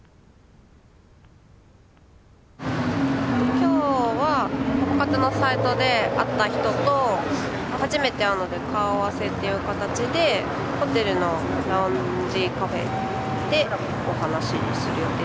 今日はパパ活のサイトで会った人と初めて会うので顔合わせっていう形でホテルのラウンジカフェでお話する予定です。